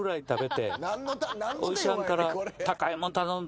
おじちゃんから。